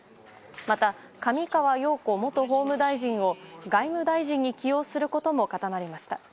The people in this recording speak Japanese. また、上川陽子元法務大臣を外務大臣に起用することも固まりました。